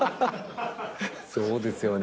そうですよね。